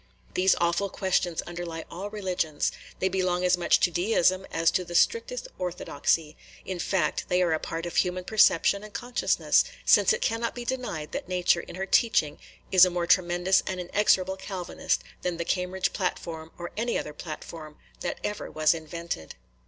These awful questions underlie all religions, – they belong as much to Deism as to the strictest orthodoxy, – in fact, they are a part of human perception and consciousness, since it cannot be denied that Nature in her teaching is a more tremendous and inexorable Calvinist than the Cambridge Platform or any other platform that ever was invented.